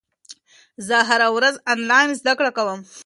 زه هره ورځ انلاین زده کړه کوم.